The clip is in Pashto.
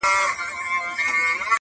سرداري يې زما په پچه ده ختلې؛